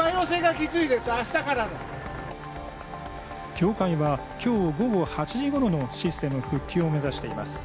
協会は今日午後８時ごろのシステム復旧を目指しています。